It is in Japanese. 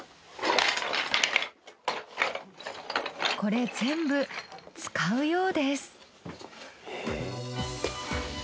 これ全部使うようです。